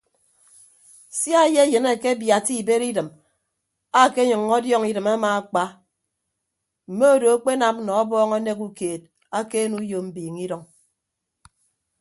Sia eyeyịn akebiatta ibed idịm akpenyʌññọ ọdiọñ idịm amaakpa mme odo akpenam nọ ọbọọñ anek ukeed akeene uyo mbiiñe idʌñ.